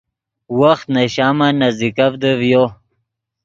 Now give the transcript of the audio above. وخت نے شامن نزدیکڤدے ڤیو